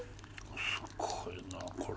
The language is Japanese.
すごいなこれ。